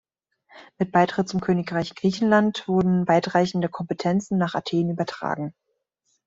Mit Beitritt zum Königreich Griechenland wurden weitreichende Kompetenzen nach Athen übertragen.